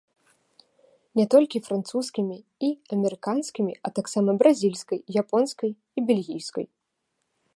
Не толькі французскімі і амерыканскімі, а таксама бразільскай, японскай і бельгійскай.